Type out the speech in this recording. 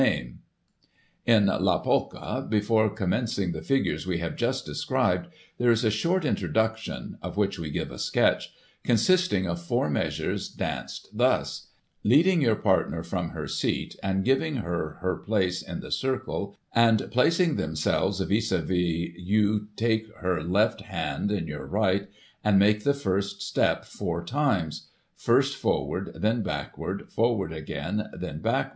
16 Digiti ized by Google 242 GOSSIP. [1844 In La PolkUy before commencing the figures we have just described, there is a short introduction (of which we give a sketch), consisting of four measures, danced thus ; leading your pcurtner from her seat, and giving her her place in the circle, and placing themselves vis a viSy you take her left hand in your right, and make the first step four times — first forward, then backward, forward again, and then back The Drawing room Polka. — Introduction.